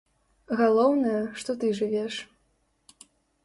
Галоўнае, што ты жывеш.